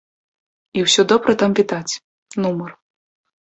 І усё добра там відаць, нумар.